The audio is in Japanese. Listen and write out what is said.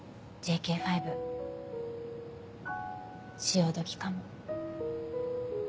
ＪＫ５潮時かも。